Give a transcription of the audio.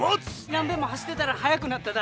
何べんも走ってたら速くなっただ。